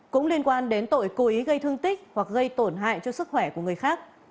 cũng liên quan đến tội cố ý gây thương tích hoặc gây tổn hại cho sức khỏe của người khác